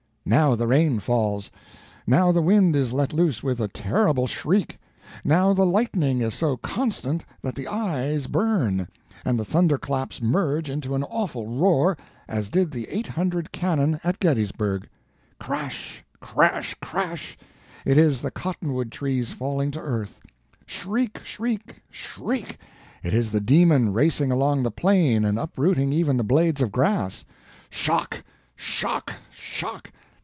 Now the rain falls—now the wind is let loose with a terrible shriek—now the lightning is so constant that the eyes burn, and the thunder claps merge into an awful roar, as did the 800 cannon at Gettysburg. Crash! Crash! Crash! It is the cottonwood trees falling to earth. Shriek! Shriek! Shriek! It is the Demon racing along the plain and uprooting even the blades of grass. Shock! Shock! Shock!